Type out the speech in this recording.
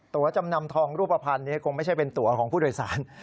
ตัวจำนำทองรูปภัณฑ์นี้คงไม่ใช่เป็นตัวของผู้โดยสาร